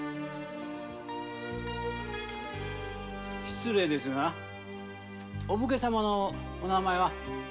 失礼ですがお武家様のお名前は？